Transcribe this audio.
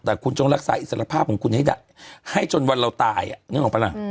แต่คุณจงรักษาอิสรภาพของคุณให้จนวันเราตายนึกออกปะล่ะ